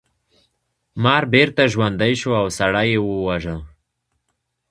مار بیرته ژوندی شو او سړی یې وواژه.